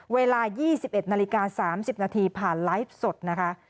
เวลา๒๑นาฬิกา๓๐นาทีผ่านไลฟ์สดนะคะ